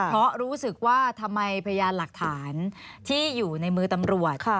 เพราะรู้สึกว่าทำไมพยานหลักฐานที่อยู่ในมือตำรวจ